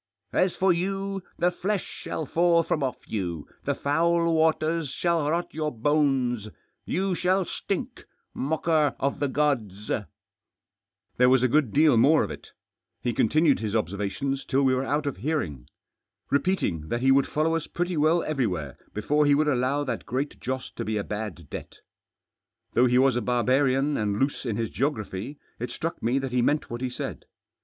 As for you, the flesh shall fall from off you ; the foul waters shall rot your bones ; you shall stink ! Mocker of the gods !" There was a good deal more of it. He continued his observations till we were out of hearing. Repeat ing that he would follow us pretty well everywhere before he would allow that Great Joss to be a bad debt. Though he was a barbarian and loose in his geo graphy, it struck me that he meant what he said.